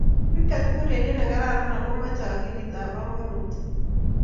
Kriket o urerie ne kararan ako mochei akilit ak bomkonutik.